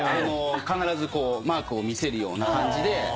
必ずマークを見せるような。